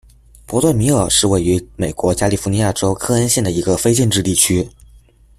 伯顿米尔是位于美国加利福尼亚州克恩县的一个非建制地区。